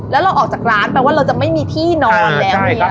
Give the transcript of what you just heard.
แล้วเราออกจากร้านแปลว่าเราจะไม่มีที่นอนแล้ว